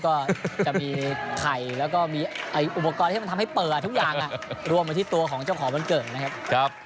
ก็จะมีไข่แล้วก็มีอุปกรณ์ที่มันทำให้เปิดทุกอย่างรวมมาที่ตัวของเจ้าของวันเกิดนะครับ